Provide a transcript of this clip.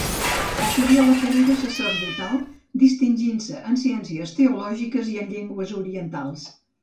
Estudià la carrera sacerdotal, distingint-se en ciències teològiques i en llengües orientals.